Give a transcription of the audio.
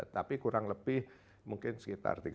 tapi kurang lebih mungkin sekitar tiga belas atau empat belas